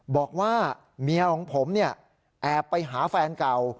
บอกว่าเมียของผมเนี่ยแอบไปหาแฟนเก่า